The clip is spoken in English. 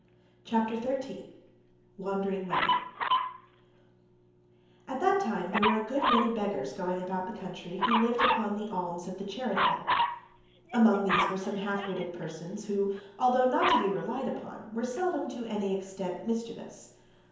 CHAPTER XIII Wandering Willie At that time there were a good many beggars going about the country, who lived upon the alms of the charitable. Among these were some half witted persons, who, although not to be relied upon, were seldom to any extent mischievous.